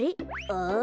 ああ。